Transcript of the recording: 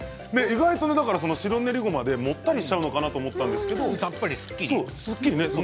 意外と白練りごまでもったりするのかと思ったんですけれどさっぱりすっきりしていますよね。